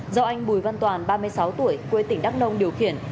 do anh bùi văn toàn ba mươi sáu tuổi quê tỉnh đắk nông điều khiển